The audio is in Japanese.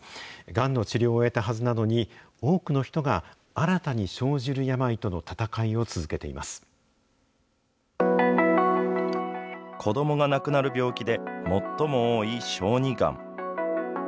がんの治療を終えたはずなのに、多くの人が、新たに生じる病との子どもが亡くなる病気で最も多い小児がん。